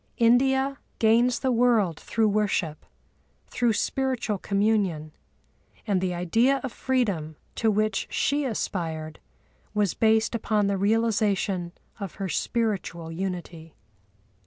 India gains the world through worship, through spiritual communion; and the idea of freedom to which she aspired was based upon the realisation of her spiritual unity.